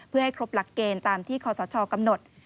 เพื่อให้ครบหลักเกณฑ์ตามที่ขอสชกำหนด